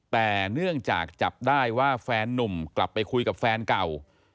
แต่เนื่องจากจับได้ว่าแฟนนุ่มกลับไปคุยกับแฟนเก่า